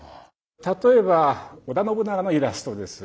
例えば織田信長のイラストです。